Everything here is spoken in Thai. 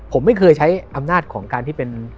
ผมไม่เคยใช้อำนาจของการที่เป็น